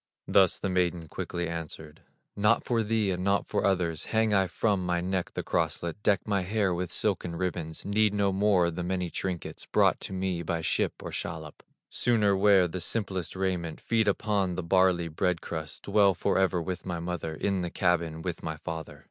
Thus the maiden quickly answered: "Not for thee and not for others, Hang I from my neck the crosslet, Deck my hair with silken ribbons; Need no more the many trinkets Brought to me by ship or shallop; Sooner wear the simplest raiment, Feed upon the barley bread crust, Dwell forever with my mother In the cabin with my father."